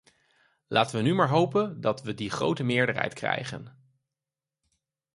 Laten we nu maar hopen dat we die grote meerderheid krijgen.